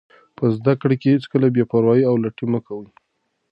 په زده کړه کې هېڅکله بې پروایي او لټي مه کوئ.